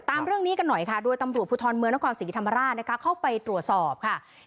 ตามเรื่องนี้กันหน่อยค่ะโดยตำรวจภูทรเมืองนครศรีธรรมราชนะคะเข้าไปตรวจสอบค่ะ